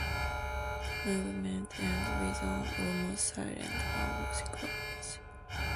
The movement ends with an almost silent harmonica passage.